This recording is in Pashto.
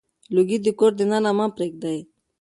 لوګي د کور دننه مه پرېږدئ.